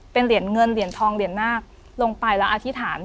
เป็นเหรียญเงินเหรียญทองเหรียญนาคลงไปแล้วอธิษฐาน